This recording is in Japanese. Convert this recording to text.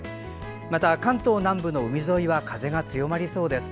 また、関東南部の海沿いは風が強まりそうです。